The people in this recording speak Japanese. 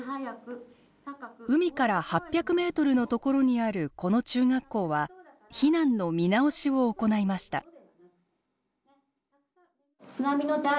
海から８００ｍのところにあるこの中学校は避難の見直しを行いました。